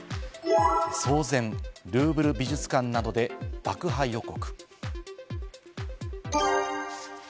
騒然、ルーヴル美術館などで爆破予告。